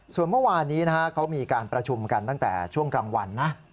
ส่วนเมื่อวานนี้เขามีการประชุมกันตั้งแต่ช่วงกลางวันนะ